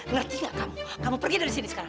ngerti gak kamu kamu pergi dari sini sekarang